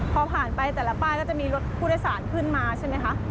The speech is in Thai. พอผ่านไปแต่ละป้ายก็จะมีรถผู้โดยสารขึ้นมาใช่ไหมคะ